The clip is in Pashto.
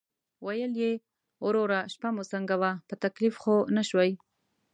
ویل یې: "وروره شپه مو څنګه وه، په تکلیف خو نه شوئ؟"